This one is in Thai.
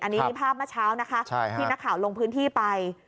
อันนี้ภาพเมื่อเช้านะคะที่นักข่าวลงพื้นที่ไป